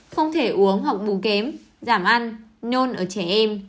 không thể uống hoặc bù kém giảm ăn nôn ở trẻ em